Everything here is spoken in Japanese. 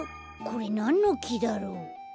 これなんのきだろう？